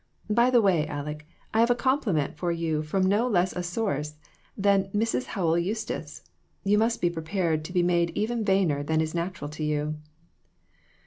By the way, Aleck, I have a compliment for you from no less a source than Mrs. Howell Eustis ; you must be prepared to be made even vainer than is natural to you."